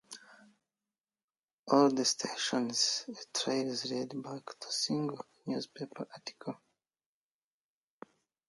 All the citation trails led back to a single newspaper article.